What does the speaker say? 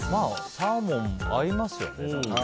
サーモン、合いますよね。